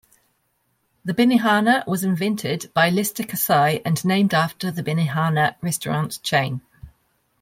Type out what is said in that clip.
The benihana was invented by Lester Kasai and named after the Benihana restaurant chain.